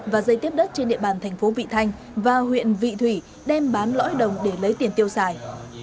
và dây tiếp đất trên địa bàn thành phố vị thanh và huyện vị thủy đem bán lõi đồng để lấy tiền tiêu xài